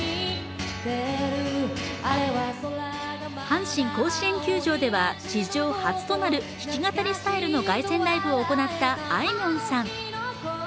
阪神甲子園球場では史上初となる弾き語りスタイルの凱旋ライブを行ったあいみょんさん。